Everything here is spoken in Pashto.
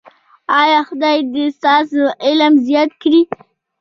ایا خدای دې ستاسو علم زیات کړي؟